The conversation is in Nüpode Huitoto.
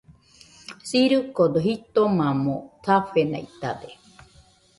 Sirikodo jitomamo safenaitade.